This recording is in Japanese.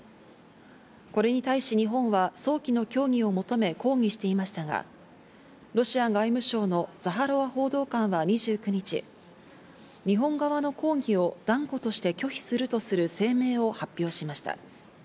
これに対し日本は早期の協議を求め抗議していましたが、ロシア外務省のザハロワ報道官は２９日、日本側の抗議を断固として拒否するとする声明を発表しました。